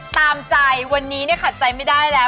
ตามใจวันนี้เนี่ยขัดใจไม่ได้แล้ว